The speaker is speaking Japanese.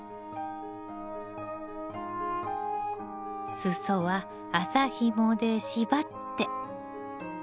裾は麻ひもで縛って。